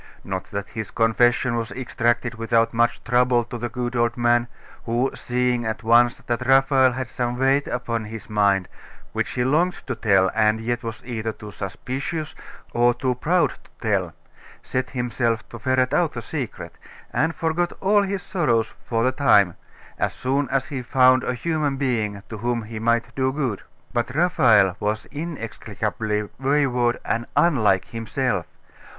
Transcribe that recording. Not that his confession was extracted without much trouble to the good old man, who, seeing at once that Raphael had some weight upon his mind, which he longed to tell, and yet was either too suspicious or too proud to tell, set himself to ferret out the secret, and forgot all his sorrows for the time, as soon as he found a human being to whom he might do good. But Raphael was inexplicably wayward and unlike himself.